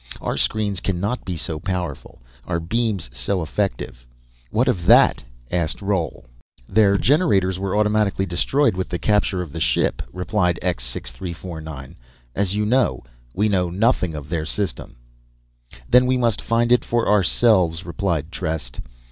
Our screens cannot be so powerful, our beams so effective. What of that?" asked Roal. "Their generators were automatically destroyed with the capture of the ship," replied X 6349, "as you know. We know nothing of their system." "Then we must find it for ourselves," replied Trest.